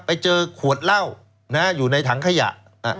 ไปเจอขวดเหล้านะฮะอยู่ในถังขยะอืม